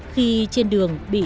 khi trên đường bị